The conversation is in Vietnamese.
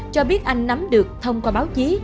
cho biết anh nắm được thông qua báo chí